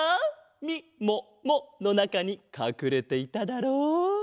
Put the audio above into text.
みもものなかにかくれていただろう。